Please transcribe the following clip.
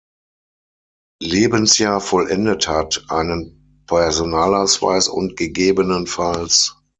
Lebensjahr vollendet hat, einen Personalausweis und ggf.